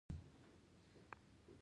ماش په ننګرهار او لغمان کې کیږي.